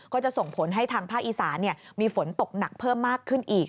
ก็จะส่งผลให้ทางภาคอีสานมีฝนตกหนักเพิ่มมากขึ้นอีก